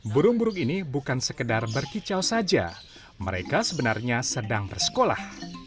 burung burung ini bukan sekedar berkicau saja mereka sebenarnya sedang bersekolah